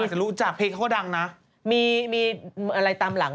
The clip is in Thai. อฟและเอกกี้ไม่ต้องลืออะไรกันแล้ว